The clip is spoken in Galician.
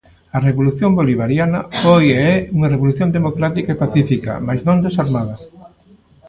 A Revolución Bolivariana foi e é unha revolución democrática e pacífica, mais non desarmada.